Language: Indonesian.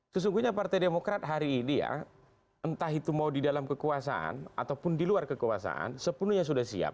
sesungguhnya partai demokrat hari ini ya entah itu mau di dalam kekuasaan ataupun di luar kekuasaan sepenuhnya sudah siap